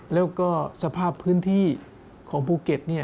แล้วก็สภาพพื้นที่ของภูเก็ต